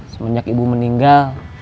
semenjak ibu meninggal